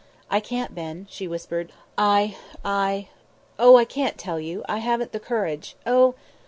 "I can't, Ben," she whispered. "I I Oh! I can't tell you I haven't the courage Oh!